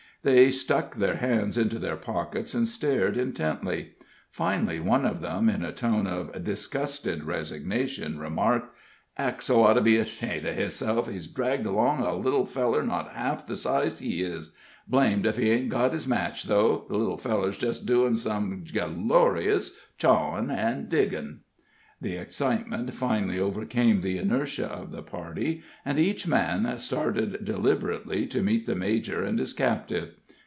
They stuck their hands into their pockets, and stared intently. Finally one of them, in a tone of disgusted resignation, remarked: "Axell ought to be ashamed of hisself; he's draggin' along a little feller not half the size he is. Blamed if he ain't got his match, though; the little feller's jest doin' some gellorious chawin' an' diggin'." The excitement finally overcame the inertia of the party, and each man started deliberately to meet the major and his captive.